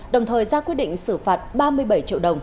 đồng thời ra quyết định xử phạt ba mươi bảy triệu đồng